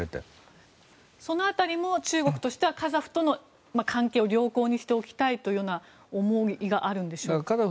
その辺りも中国としてはカザフとの関係を良好にしておきたいという思いがあるんでしょうか？